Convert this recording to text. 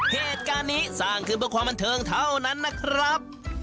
เหตุการณ์นี้สร้างขึ้นเพื่อความบันเทิงเท่านั้นนะครับ